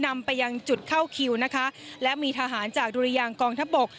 นำประอยางจุดเข้าคิวนะคะและมีทหารจอกดูฬิยางกองทบก